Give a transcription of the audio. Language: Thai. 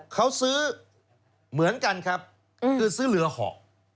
เขาซื้อเหมือนกันครับคือซื้อเรือเหาะ